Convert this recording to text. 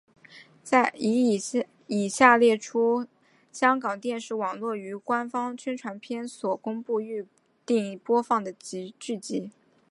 以下列出香港电视网络于官方宣传片所公布预定播放的剧集。